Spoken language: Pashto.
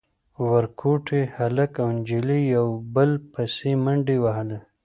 ورکوټي هلک او نجلۍ يو بل پسې منډې وهلې.